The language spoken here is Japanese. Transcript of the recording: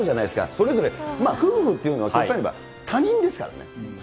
それぞれ、夫婦っていうのは例えば、他人ですからね。